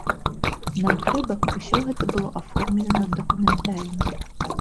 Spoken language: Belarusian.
Нам трэба, каб усё гэта было аформлена дакументальна.